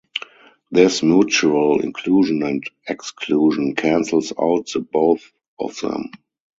This mutual inclusion and exclusion cancels out the both of them.